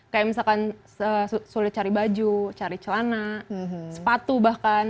kayak misalkan sulit cari baju cari celana sepatu bahkan